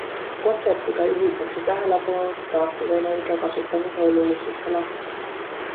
Kontserdiga juhitakse tähelepanu taastuvenergia kasutamise olulisusele.